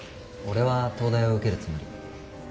俺は東大を受けるつもり。